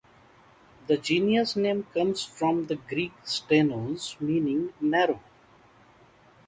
The genus name comes from the Greek "stenos" meaning narrow.